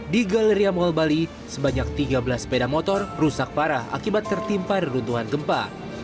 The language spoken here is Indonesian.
di galeriam wall bali sebanyak tiga belas sepeda motor rusak parah akibat tertimpa reruntuhan gempa